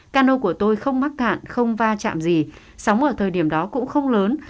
cano của tôi không mắc cạn không va chạm gì sóng ở thời điểm đó cũng không lớn